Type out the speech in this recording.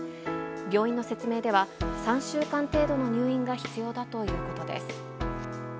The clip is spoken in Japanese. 病院の説明では、３週間程度の入院が必要だということです。